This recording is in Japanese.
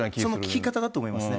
聞き方だと思いますよね。